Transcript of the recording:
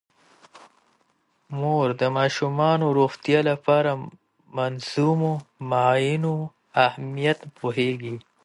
مور د ماشومانو د روغتیا لپاره د منظمو معاینو اهمیت پوهیږي.